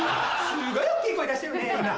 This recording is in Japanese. すごい大っきい声出してるね。